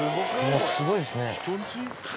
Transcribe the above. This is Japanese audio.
すごいですね。